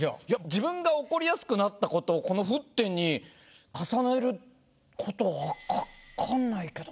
自分が怒りやすくなった事をこの沸点に重ねる事わかんないけどなぁ。